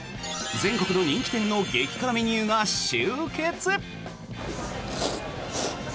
全国の人気店の激辛メニューが集結。